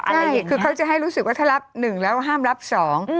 ใช่คือเขาจะให้รู้สึกว่าถ้ารับหนึ่งแล้วห้ามรับสอง